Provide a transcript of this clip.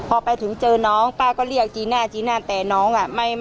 พอไปถึงเจอน้องป้าก็เรียกจีน่าจีน่าแต่น้องอ่ะ